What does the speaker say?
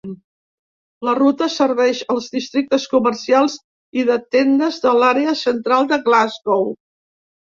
La ruta serveix els districtes comercials i de tendes de l'àrea central de Glasgow.